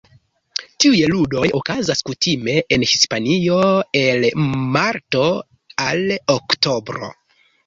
Tiuj ludoj okazas kutime en Hispanio el marto al oktobro.